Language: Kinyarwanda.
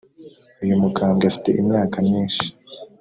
Uyu mukambwe afite imyaka myinshi.